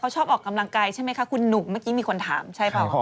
ชอบออกกำลังกายใช่ไหมคะคุณหนุ่มเมื่อกี้มีคนถามใช่เปล่า